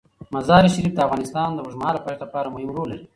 مزارشریف د افغانستان د اوږدمهاله پایښت لپاره مهم رول لري.